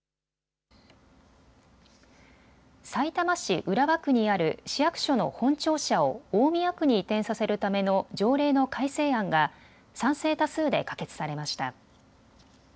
さいたま市浦和区にある市役所の本庁舎を大宮区に移転させるための条例の改正案が賛成多数で可決されました。